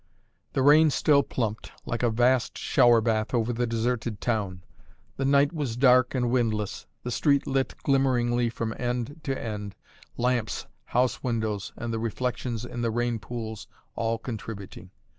The rain still plumped, like a vast shower bath, over the deserted town. The night was dark and windless: the street lit glimmeringly from end to end, lamps, house windows, and the reflections in the rain pools all contributing.